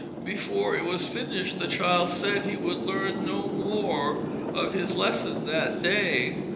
Before it was finished the child said he would learn no more of his lesson that day.